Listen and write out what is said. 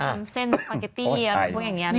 ไปนั่งเส้นสปาเกตตี้หรือพวกอย่างนี้